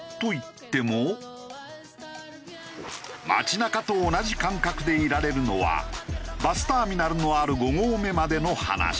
街なかと同じ感覚でいられるのはバスターミナルのある５合目までの話。